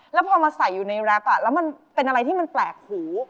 แล้วพอมาใส่อยู่ในแรปแล้วมันเป็นอะไรที่มันแปลกหู